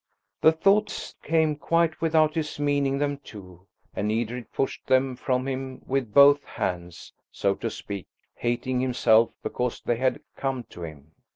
The thoughts came quite without his meaning them to, and Edred pushed them from him with both hands, so to speak, hating himself because they had come to him.